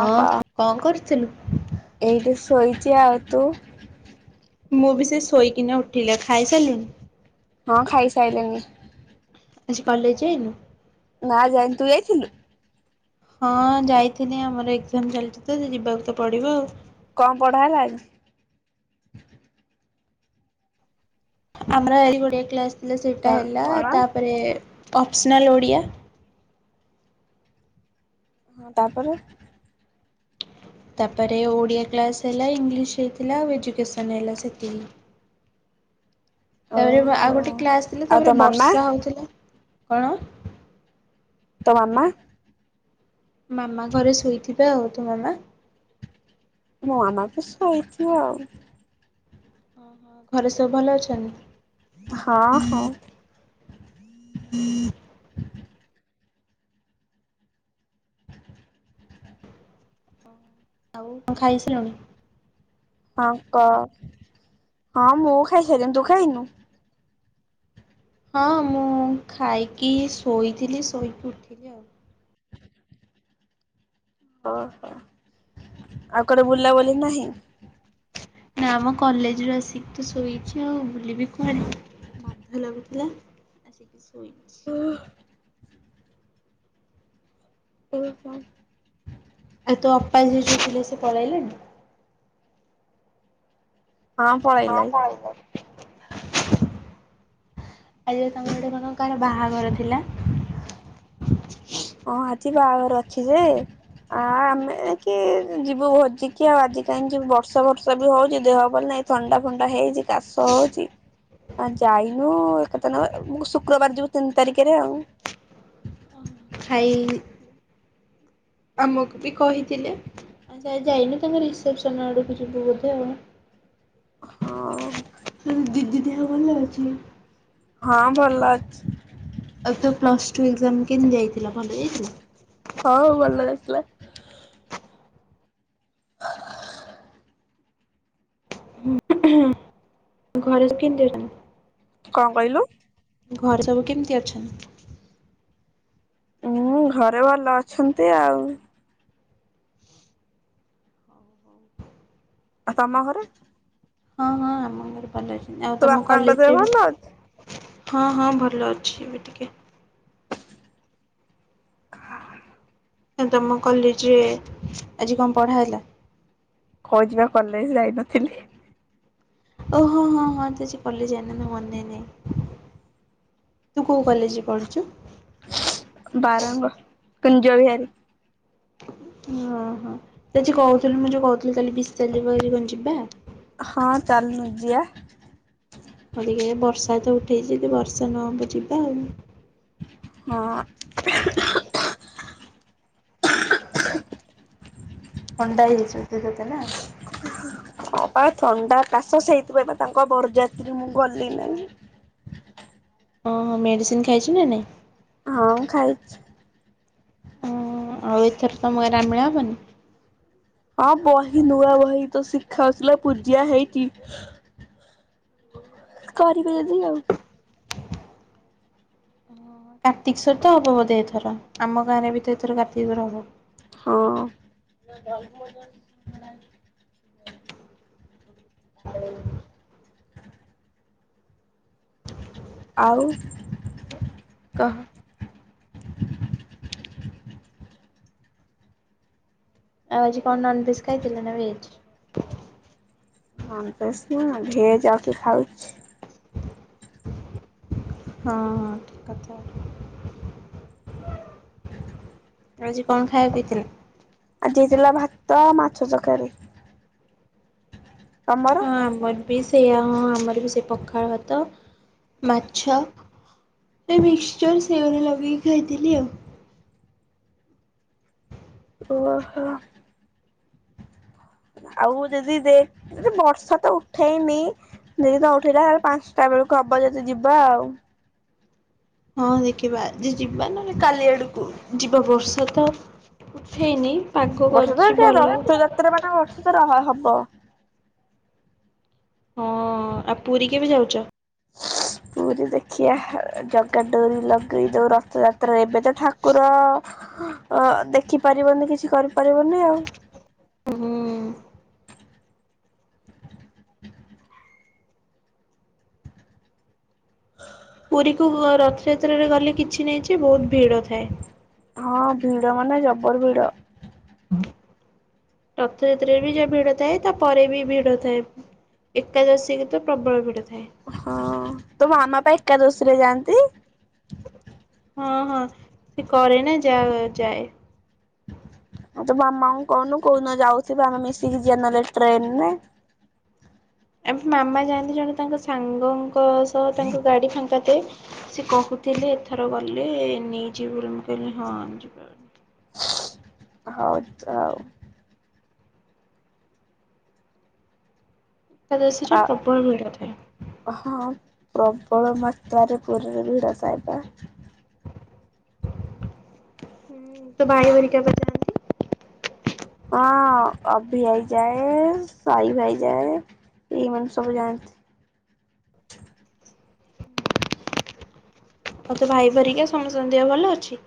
ହଁ କଣ କରୁଥିଲୁ? ଏଇଟି ଶୋଇଛି ଆଉ ତୁ? ମୁଁ ବି ସେ ଶୋଇକିନା ଉଠିଲା ଖାଇସରିଲୁଣୁ? ହଁ ଖାଇସାରିଲେନି। ଆଜି କଲେଜେ ଯାଇନୁ? ନା ଯାଇନି ତୁ ଯାଇଥିଲୁ? ହଁ ଯାଇିଥିଲି ଆମର ଏକଜାମ ଚାଲିଛି ତ ଯିବାକୁ ତ ପଡ଼ିବ ଆଉ। କଣ ପଢା ହେଲା ଆଜି? ଆମର ଏ ଓଡ଼ିଆ କ୍ଲାସ ସେଟଟା ହେଲା କଣ ତାପରେ ଅପସନାଲ ଓଡ଼ିଆ। ହଁ ତାପରେ। ତାପରେ ଓଡ଼ିଆ କ୍ଲାସ ହେଲା ଇଂଲିଶ ହେଇଥିଲା ଆଉ ଏଜୁକସନ ହେଲା ସେତିକି। ତାପରେ ଆଉ ଓହୋ ଗୋଟେ କ୍ଲାସ ଥିଲା ଆଉ ତାପରେ ତୋ ମାମା ବର୍ଷା ହଉଥିଲା କଣ? ତୋ ମାମା? ମାମା ଘରେ ଶୋଇଥିବେ ଆଉ ତୋ ମାମା? ମୋ ମାମା ବି ସୋଇଥିବ ଆଉ। ହଁ ହଁ ଘରେ ସବୁ ଭଲ ଅଛନ୍ତି? ହଁ ହଁ। ଆଉ କଣ ଖାଇସାରିଲୁଣି? ହଁ କହ ହଁ ମୁଁ ଖାଇସାରିଲିିଣି ତୁ ଖାଇନୁ? ହଁ ମୁଁ ଖାଇକି ଶୋଇଥିଲି ଶୋଇକି ଉଠିଲି ଆଉ। ଅହୋ ଆଉ କଣ ବୁଲାବୁଲି ନାହିଁ? ନାମ କଲେଜରୁ ଆସିକି ଶୋଇଛି ଆଉ ବୁଲିିବି କୁଆଡ଼େ? ବାଧା ଲାଗୁଥିଲା ଆସିକି ଶୋଇଛି। [unintelligible] ଆଉ ତୋ ଅପା ଯିଏ ଥିଲେ ସିଏ ପଳେଇଲେଣି? ହଁ ପଳେଇ ଲାଇ। ଆଜି ତମର ଗୋଟେ କଣ କାହାର ବାହାଘର ଥିଲା? ହଁ ଆଜିି ବାହାଘର ଅଛି ଯେ ଆ ଆମେ କି? ଯିବୁ ଭୋଜିିକି ଆଉ ଆଜି କାଇଁ ଯିବୁ ବର୍ଷା ଫର୍ଷା ବି ହେଉଛି ଦେହ ଭଲ ନାଇଁ ଥଣ୍ଡା ଫଣ୍ଡା ହେଇଛି। କାଶ ହଉଛି ଆ ଯାଇନୁ ଏକଥାନ ମୁଁ ସୁ ଶୁକ୍ରବାର ଯିବୁ ତିନି ତାରିଖରେ ଆଉ। ପାଇ ଆମକୁ ବି କହିଥିଲେ। ଆଚ୍ଛା ଆଜି ଯାଇନୁ ତ ତାଙ୍କ ରିସେପସନ୍‌ ଆଡକୁ ଯିବୁ ବୋଧେ ଆଉ। ହଁ। ଘରେ ଦିଦି ଦେହ ଭଲ ଅଛି। ହଁ ଭଲ ଅଛି। ଆଉ ତୁ ପ୍ଲସ ଟୁ ଏକଜାମ୍ କେନ ଯାଇ ହଁ ଭଲ ହେଇଥିଲା। ହ ଘରେ ସବୁ କେମିତି ଅଛନ୍ତି? କଣ କହିଲୁ? ଘରେ ସବୁ କେମିତି ଅଛନ୍ତି? ଉଁ ଘରେ ଭଲ ଅଛନ୍ତି ଆଉ। ଆଉ ତମ ଘରେ? ହଁ ହଁ ଆମ ଘରେ ଭଲ ଅଛନ୍ତି ଆଉ ତୋ ତମ ବାପାଙ୍କ ଦେହ କଲେଜରେ ଭଲ ଅଛି ବି ହଁ ହଁ ଭଲ ଅଛି ଏବେ ଟିକେ। ତମ କଲେଜରେ ଆଜି କଣ ପଢ଼ା ହେଲା? କଉଚିପା କଲେଜ ଯାଇନଥିଲି। ଓ ହୋ ହୋ ହଁ ତୁ ଆଜି କଲେଜ ଯାଇନୁନା ମନେ ନାହିଁ। ତୁ କୋଉ କଲେଜ୍‌ରେ ପଢ଼ୁଛୁ? ବାରଙ୍ଗ କୁଞ୍ଜ ବିହାରୀ? ଓହୋ ତୁ ଆଜି କହୁଥିଲୁ ମୁଁ ଯୋଉ କହୁଥିଲି କାଲି ପିସ୍ତା ଯିବା ବୋଲି କଣ ଯିବା? ହଁ ଚାଲୁନୁ ଯିବା। ଅବିକା ବର୍ଷା ତ ଉଠେଇଛି ଯଦି ବର୍ଷା ନହବ ଯିବା ଆଉ। ହଁ। କେବେ ନାଇ ଥଣ୍ଡା ହେଇଛି ତତେ ନା। ହଁ ପା ଥଣ୍ଡା କାଶ ସେଇଥି ପାଇଁ ତାଙ୍କ ବରଯାତ୍ରୀ ମୁଁ ଗଲି ନାହିଁ। ହଁ କି ଅହୋ ମେଡ଼ିସିନ୍‌ ଖାଇଛୁ ନା ନାଇଁ। ହଁ ଖାଇଛି। ହଁ ଆଉ ଏଥର ମେଳା ହେବନି? ହଁ ବହି ନୂଆ ବହି ତ ଶିଖା ହେଉଥିଲା ପୂଜା ହେଇଚି କରିବେ ଯଦି ଆଉ ଓ କାର୍ତ୍ତିକ୍ଵର ତ ହବ ବୋଧେ ଏଥର ଆମ ଗାଁରେ ବି ତ ଏଥର କାର୍ତ୍ତିକ୍ଵର ହବ ହଁ। ହଁ। ଆଉ କହ! ଆଉ ଆଜି କଣ ନନ ଭେଜ ଖାଇଥିଲେ ନା ଭେଜ? ନନ୍ ଭେଜ୍ ନୁହ ଭେଜ ଯାଉ କି ଖାଉଛି। ହଁ ଠିକ୍ କଥା। ତଆଜି କଣ ଖାଇବା ଦେଇଥିଲେ? ଆଜି ହେଇଥିଲା ଭାତ ମାଛ ତକାରୀ। ହଁ ଆମର ବି ସେଆ ଆମର ବି ସେ ପଖାଳ ଭାତ ମାଛ ଏ ମିିକ୍ସଚର ସେଓରେ ଲଗିକ ଖାଇଥିଲି ଆଉ। ଓହୋ। ଆଉ ଯଦି ଦେ ବର୍ଷା ତ ଉଠେଇନି ଯଦି ତ ଉଠେଇଲାଲେ ପାଞ୍ଚଟା ବେଳକୁ ହବ ଯଦି ଯିବା ଆଉ। ହଁ ଦେଖିବା ଯିବା ନହେଲେ କାଲି ଆଡକୁ ଯିବା ବର୍ଷା ତ ଉଠେଇନି ପାଗ ବର୍ଷତ କରିଛି ଏ ଭଲ। ରଥଯାତ୍ରା ମାନେ ବର୍ଷ ତ ରହ ହବ। ହଁ ଆଉ ପୁରୀ କେବେ ଯାଉଛ? [inaudible] ପୁରୀ ଦେଖିବା ଜଗାଡୋରି ଲଗ ଦଉ ରଥଯାତ୍ରା ଏବେ ତ ଠାକୁର ଅ ଦେଖିପାରିବନି କିଛି କରିପାରିବନି ଆଉ ହଁ। ପୁରୀକୁ ରଥଯାତ୍ରାରେ ଗଲେ କିଛି ନାହିଁ ଯେ ବହୁତ ଭିଡ ଥାଏ। ହଁ ଭିଡ ମାନେ ଜବର ଭିଡ ରଥ ଯାତ୍ରା ରେ ବି ଯ ଭିଡ ଥାଏ ତା ପରେରେ ବି ଭିଡ ଥାଏ। ଏକାଦଶୀ ରେ ତ ପ୍ରବଳ ଭିଡ଼ ଥାଏ ହଁ ତୋ ମାମାପା ଏକାଦଶୀରେ ଯାଆନ୍ତି? ହଁ ହଁ ସେ କର ନା ଯା ଯାଏ ଆଉ ତ ମାମାଙ୍କୁ କହୁନୁ କୌଦିନଯାଉଥିବେ ଆମେ ମିଶିକି ଯିବା ଟ୍ରେନରେ ଆ ମାମା ଯାଆନ୍ତି ଜଣେ ତାଙ୍କ ସାଙ୍ଗଙ୍କ ସହ ତାଙ୍କ ଗାଡି ଫାଙ୍କା ଏ ସେ କହୁଥିଲେ ଏଥର ଗଲେ ନେଇଯିବି ବୋଲି ମୁଁ କହିଲି ହଁ [inaudible] ହଉ ହଉ। ତା ଦେଶରେ ଆ ପ୍ରବଳ ଭିଡ଼ ଥାଏ ହଁ। ପ୍ରବଳ ମାତ୍ରାରେ ପୁରୀରେ ଭିଡ଼ ଥାଏବା। ହ ତ ଭାଇ ବରି କା ପଞ୍ଚାନ୍ତି ହଁ ଅଭି ହେଇଯାଏ ସଇବ ହେଇଯାଏ। ଏଇମାନେ ସବୁ ଯାଆନ୍ତି। ମତେ ଭାଇ ଭରିକା ସମସ୍ତନ୍ଦହ ଭଲ ଅଛି?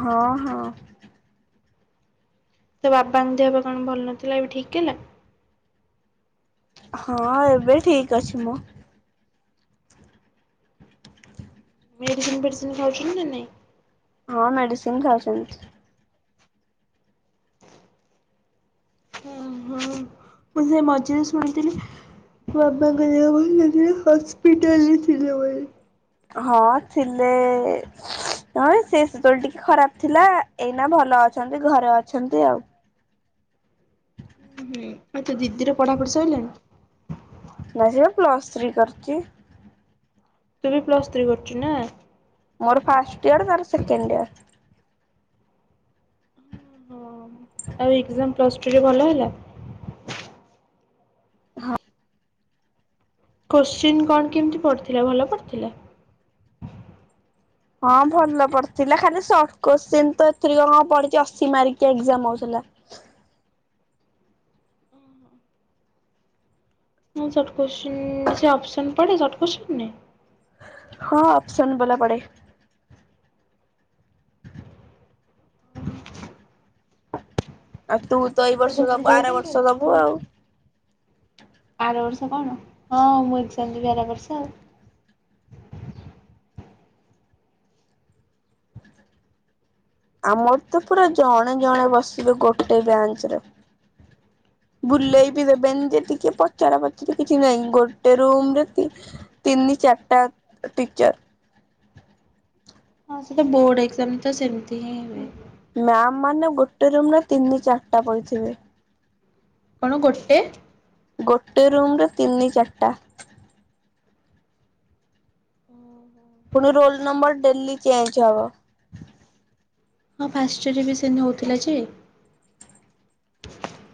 ହଁ ହଁ। ତ ବାପା ଙ୍କ ଦେହ କଣ ଭଲ ନଥିଲା ଏବେ ଠିକ ହେଲା? ହଁ ଏବେ ଠିକ ଅଛି ମ। ମେଡ଼ିସିନ ପେଡ଼ିସିନ୍ ଖାଉଛୁନ୍ତି ନାଆ ନାଇ? ହଁ ମେଡିସିନ୍ ଖାଉଛନ୍ତି। ହ ହଁ ମୁ ସେ ମଜେରେ ଶୁଣିଥିଲି ବାପାଙ୍କ ଦେହ ଭଲ ନଥିଲା ହସ୍ପିଟଲରେ ଥିଲେ ବି ହଁ ଥିଲେ। ହଁ ସେ [unintelligible] ଟିକେ ଖରାପ ଥିଲା ଏଇନା ଭଲ ଅଛନ୍ତି ଘରେ ଅଛନ୍ତି ଆଉ। ହୁଁ ଆଉ ତୋ ଦିଦି ର ପଢ଼ାପଢ଼ି ଶଇଲାନି? ନା ସେ ପ୍ଲସ ଥ୍ରୀ କରୁଛି। ତୁ ବି ପ୍ଲସ୍ ଥ୍ରୀ କରୁଛୁ ନା? ମୋର ଫାଷ୍ଟ ଇୟର ତାର ସେକେଣ୍ଡ ଇୟର। ଆଉ ଏକ୍ଜାମ ପ୍ଲସ୍ ଟୁରେ ଭଲ ହେଲା? ହଁ। କୋଶ୍ଚିନ୍ କଣ କେମିତି ପଢିଥିଲା ଭଲ ପଢିଥିଲା? ହଁ ଭଲ ପଢିଥିଲା ଖାଲି ସର୍ଟ କୋଶ୍ଚିନ୍ ତ ଏରେ କଣ ପଢିଛି ଅଶୀ ମାର୍କ ଏଜାମ ହଉଛନ୍ତି। [inaudible] ହଁ ଶର୍ଟ କୋଚିଂନ ସେ ଅପସନ ପଡେ ଶର୍ଟ କୋଶ୍ଚନ ରେ? ହଁ ଅପସନ ବଲା ପଡେ। ହ। ଆଉ ତୁ ତ ଏଇ ବର୍ଷ ଦବୁ ଆର ବର୍ଷ ଦବୁ ଆଉ। ଆର ବର୍ଷ କଣ? ହଁ ମୁଁ ଏଜାମ ଦେବି ଆର ବର୍ଷ ଆଉ। ଆମର ତ ପୁରା ଜଣେ ଜଣେ ବସିବେ ଗୋଟେ ବ୍ରାଞ୍ଚରେ। ବୁଲେଇ ବିି ଦେବେନି ଯେ ଟିକେ ପଚାରା ପଚାରି କିଛି ନାହିଁ ଗୋଟେ ରୁମ ରେ ତିନି ଚାରଟା ଟିଚର। ହଁ ସେଟା ବୋର୍ଡ ଏକ୍ଜାମ ତ ସେମିତି ହିଁ ହୁଏ। ମ୍ୟାମ ମାନେ ଗୋଟେ ରୁମରେ ତିନି ଚାରିଟା ପଡ଼ିଥିବେ। କଣ ଗୋଟେ? ଗୋଟେ ରୁମ ରେ ତିନି ଚାରିଟା। ପୁଣି ରୋଲ ନମ୍ବର ଡେଲି ଚେଞ୍ଜ ହବ। ହଁ ଫାଶରେ ବି ସେ ନେଉଥିଲା ଯେ।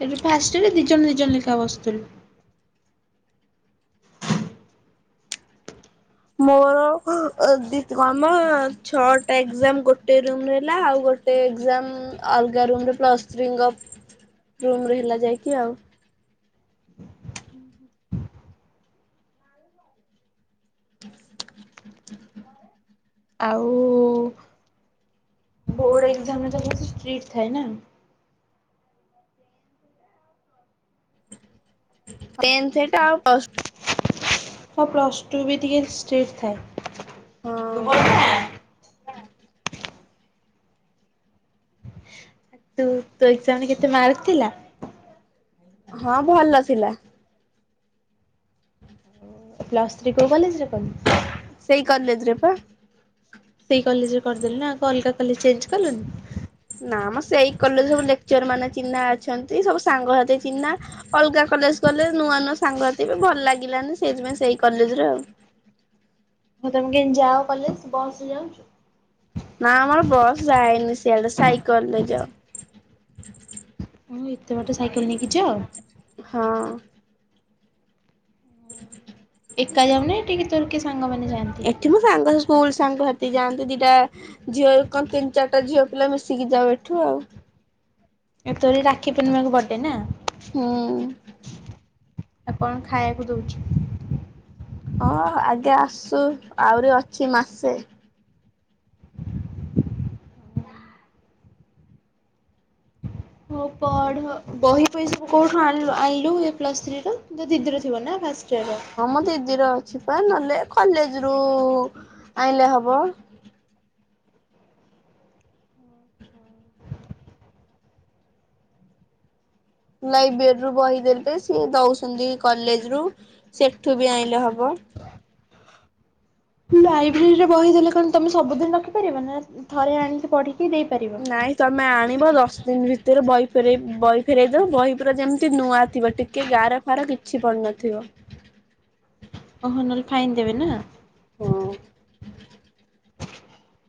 ହେଲେ ଫାଷ୍ଟରେ ଦି ଜଣ ଦି ଜଣ ଲେଖା ବସ୍ତୁଲୁ। ମୋର ଏ ଦି କନ ନା ଛଅଟା ଏକ୍ଜାମ ଗୋଟେ ରୁମ ରେ ହେଲା। ଆଉ ଗୋଟେ ଏକ୍ଜାମ ଅଲଗା ରୁମ ରେ ପ୍ଲସ ଥ୍ରୀ ଙ୍କ ରୁମ ରେ ହେଲା ଯାଇକି ଆଉ। ଆଉ ବୋଡ଼ ଏକ୍ଜାମ ରେ ତ ବହୁ ଷ୍ଟ୍ରିକ ଥାଏ ନା? ଟେନ୍ ସେଟା ଆଉ ପ୍ଲସ ହଁ ପ୍ଲସ ଟୁ ବି ଟକେ ଷ୍ଟ୍ରିଟ ଥାଏ ହଁ [unintelligible] ତୁ ତୋ ଏକ୍ସଜାମ କେତେ ମାର୍କ ଥିଲା? ହଁ ଭଲ ଥିଲା। ପ୍ଲସ୍ ଥ୍ରୀ କୋଉ କଲେଜ ରେ କଲୁ? ସେଇ କଲେଜରେ ପା। ସେଇ କଲେଜରେ କରିଦେଲୁ ନା ଅଲଗା କଲେ ଚେଞ୍ଜ କଲୁନି? ନା ମ ସେଇ କଲେଜରେ ସବୁ ଲେକ୍ଚର ମାନେ ଅ ଚିହ୍ନା ଅଛନ୍ତି ସବୁ ସାଙ୍ଗ ହାତୀ ଚିହ୍ନା ଅଲଗା କଲେଜ ଗଲେ ନୂଆ ନୂଆ ସାଙ୍ଗ ହାତୀ ବି ଭଲ ଲାଗିଲା ସେଇଥିପାଇଁ ସେଇ କଲେଜ ର ଆଉ। ହଁ ତମେ କେମିତି ଯାଓ କଲେଜ ବ ଯାଉଛୁ। ନା ଆମର ବସ୍ ଯାଏନି ସେଆଡେ ସାଇକେଲରେ ଯାଉ। ତୁମେ ଏତେ ବାଟ ସାଇକେଲ ନେଇକି ଯାଅ? ହଁ। ଏକା ଯାଉନି ଟିକେ ତୋଏ କିଏ ସାଙ୍ଗ ମାନେ ଯାଆନ୍ତି? ଏଠି ମୋ ସାଙ୍ଗ ସ୍କୁଲ ସାଙ୍ଗ ହାତି ଯାଆନ୍ତୁ ଦିଟା ଝିଅ କଣ ତିନି ଚାରିଟା ଝିଅ ପିଲା ମିଶିକି ଯାଉ ଏଠୁ ଆଉ। ଏ ତୋର ଏଇ ରାକ୍ଷୀ ପଣ୍ଣିମାକୁ ବର୍ଡେ ନା? ହୁଁ। ବାପାଙ୍କୁ ଖାଇଆକୁ ଦଉଛି। ହଁ ଆଗେ ଆସୁ ଆହୁରି ଅଛି ମାସେ। ହଉ ପଢ ବହି ପହି ସବୁ, କୋଉଠୁ ଆଣିଲୁ ଆଣିଲୁ ଏଇ ପ୍ଲସ ଥ୍ରୀ ର। ତୋ ଦିଦିର ଥିବ ନା ଫାସ ହଁ ମୋ ଦିଦିର ଥିବ ନହେଲେ କଲେଜରୁ ଆଣିଲେ ହବ। ଲାଇବ୍ରେରୀରୁୁ ବହି ଦେଲେ, ସିଏ ଦଉଛନ୍ତି କଲେଜରୁ ସେଠୁ ବି ଆଇଁଲେ ହବ। [inaudible] ଲାଇବ୍ରେରୀରେ ବହି ଦେଲେ କଣ ତମେ ସବୁଦିନ ରଖିପାରିବ? ନା ଥରେ ଆଣିକି ପଢ଼ି ନାଇଁ ତମେ ଆଣିବ, ଦଶ ଦିନ ଭିତରେ ବହି ଫେରେଇ ବହି ଫେରଇ ଦବ, ବହି ପୁରା ଯେମିତି ନୂଆ ଥିବ ଟିକେ ଗାର ଫାର କିଛି ପଡିନଥିବ। [inaudible] ଓ ହୋ ନହେଲେ ଫାଇନ୍ ଦେବେ ନା? ହଁ।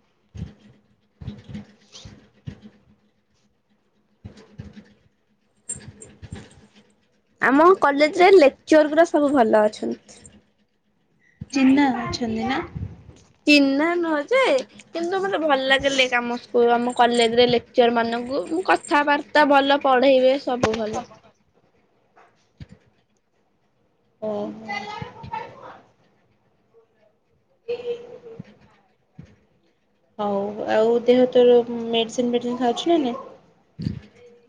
[inaudible] [inaudible] ଆମ କଲେଜରେ ଲେକ୍ଚର ଗୁରା ସବୁ ଭଲ ଅଛନ୍ତି। ଚିହ୍ନା ଅଛନ୍ତି ନା? ଚିହ୍ନା ନୁହଁ ଯେ, କିନ୍ତୁ ମତେ ଭଲ ଲାଗିଲେ କାମ [unintelligible] ଆମ। କଲେଜରେ ଲେକ୍ଚର ମାନଙ୍କୁ, ମୁଁ କଥାବାର୍ତ୍ତା ଭଲ ପଢେଇବେ ସବୁ ଭଲ। ଓ ହୋ। [inaudible] ହଉ ଆଉ ଦେହ ତୋର, ମେଡିସିନ ଫେଡିସିନି ଖାଉଛୁ ନା ନାଇଁ?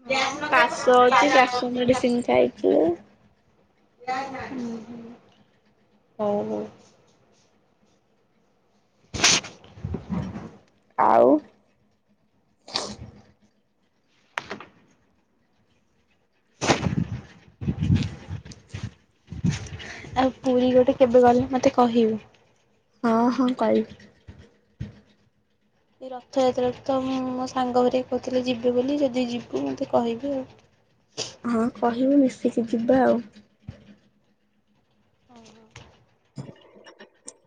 ହଁ କାଶ ହଉଛି କାଶ [unintelligible] ମେଡିସିନ ଖାଇଥିଲି ହୁଁ -ହୁଁ ହଉ ହଉ। ଆଉ [inaudible] ଆଉ ପୁରୀ ଗୋଟେ କେବେ ଗଲେ ମତେ କହିବୁ? ହଁ -ହଁ କଇବି। ଏ ରଥଯାତ୍ରାକୁ ତ ମୋ ସାଙ୍ଗ ହେରିକା ର କହୁଥିଲେ ଯିବେ ବୋଲି, ଯଦି ଯିବୁ ମୋତେ କହିବୁ ଆଉ। ହଁ କହିବୁ ମିଶିକି ଯିବା ଆଉ। [inaudible]